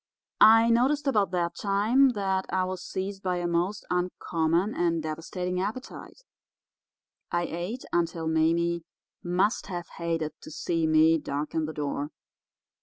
I noticed about that time that I was seized by a most uncommon and devastating appetite. I ate until Mame must have hated to see me darken the door.